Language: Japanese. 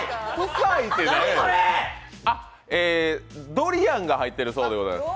ドリアンが入ってるそうでございます。